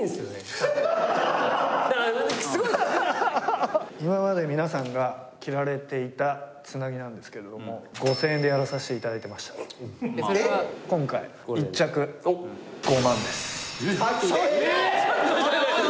チャックだからすごい複雑今まで皆さんが着られていたつなぎなんですけれども５０００円でやらさせていただいてました今回たけえよ！